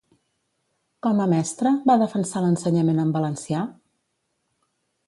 Com a mestra, va defensar l'ensenyament en valencià?